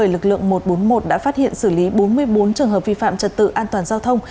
lực lượng một trăm bốn mươi một đã phát hiện xử lý bốn mươi bốn trường hợp vi phạm trật tự an toàn giao thông